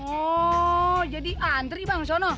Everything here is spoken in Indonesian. oh jadi antri bang sono